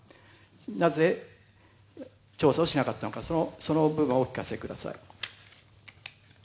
なぜ、調査をしなかったのか、その部分をお聞かせください。